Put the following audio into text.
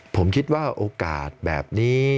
ผมคิดว่าโอกาสแบบนี้